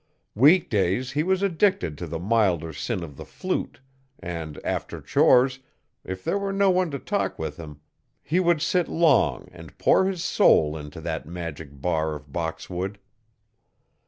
Weekdays he was addicted to the milder sin of the flute and, after chores, if there were no one to talk with him, he would sit long and pour his soul into that magic bar of boxwood.